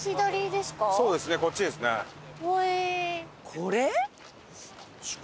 これ？